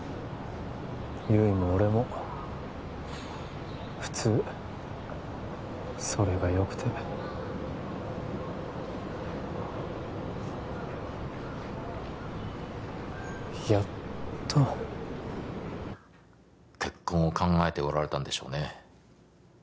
悠依も俺も普通それがよくてやっと結婚を考えておられたんでしょうね